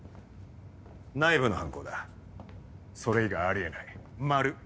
内部の犯行だそれ以外あり得ないまる。